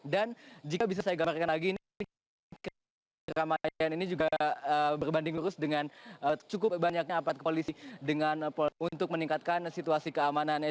dan jika bisa saya gambarkan lagi ini keramaian juga berbanding lurus dengan cukup banyaknya apart kepolisi dengan polres untuk meningkatkan keamanannya